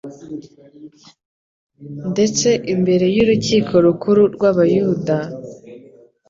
Ndetse imbere y’Urukiko Rukuru rw’Abayuda,